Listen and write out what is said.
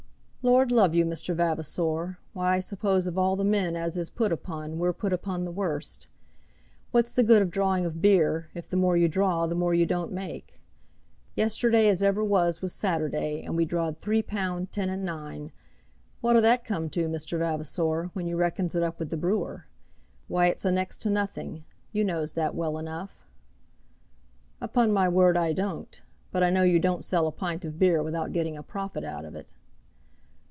"Lord love you, Mr. Vavasor; why, I suppose of all the men as is put upon, we're put upon the worst. What's the good of drawing of beer, if the more you draw the more you don't make. Yesterday as ever was was Saturday, and we drawed three pound ten and nine. What'll that come to, Mr. Vavasor, when you reckons it up with the brewer? Why, it's a next to nothing. You knows that well enough." "Upon my word I don't. But I know you don't sell a pint of beer without getting a profit out of it."